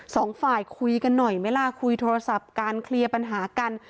สองฝ่ายคุยกันหน่อยไหมล่ะคุยโทรศัพท์การเคลียร์ปัญหากัน